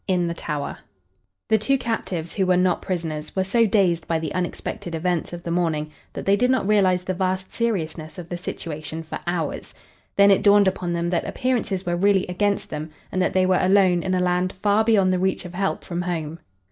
IN THE TOWER The two captives who were not prisoners were so dazed by the unexpected events of the morning that they did not realize the vast seriousness of the situation for hours. Then it dawned upon them that appearances were really against them, and that they were alone in a land far beyond the reach of help from home.